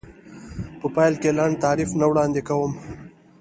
په پیل کې لنډ تعریف نه وړاندې کوم.